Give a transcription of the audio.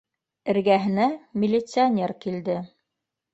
Эргәһенә милиционер килде: